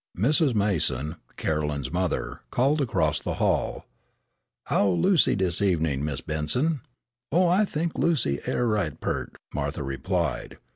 Mrs. Mason, Caroline's mother, called across the hall: "How Lucy dis evenin', Mis' Benson?" "Oh, I think Lucy air right peart," Martha replied.